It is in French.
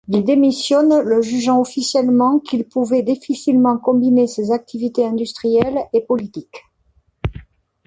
Il démissionne le jugeant officiellement qu'il pouvait difficilement combiner ses activités industrielles et politiques.